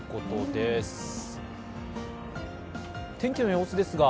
天気の様子ですが。